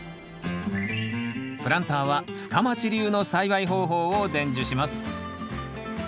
プランターは深町流の栽培方法を伝授します